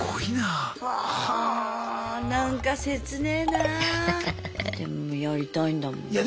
でもやりたいんだもんね。